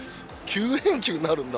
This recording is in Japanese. ９連休になるんだ。